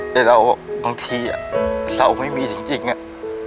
แต่เราบางทีเราไม่มีจริงอะ